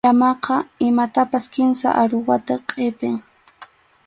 Llamaqa imatapas kimsa aruwata qʼipin.